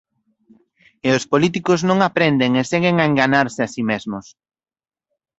E os políticos non aprenden e seguen a enganarse a si mesmos.